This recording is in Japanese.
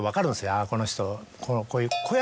「あぁこの人」。